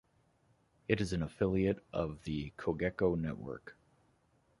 It is an affiliate of the Cogeco network.